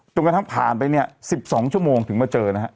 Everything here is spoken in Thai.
กระทั่งผ่านไปเนี่ย๑๒ชั่วโมงถึงมาเจอนะฮะ